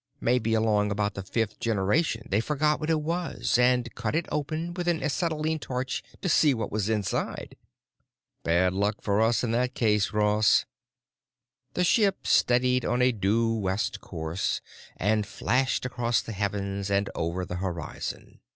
"Maybe along about the fifth generation they forgot what it was and cut it open with an acetylene torch to see what was inside." "Bad luck for us in that case, Ross." The ship steadied on a due west course and flashed across the heavens and over the horizon.